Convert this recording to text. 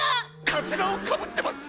かつらをかぶってます！